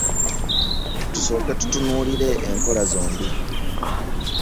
Tusooke tutunuulire enkola zombi.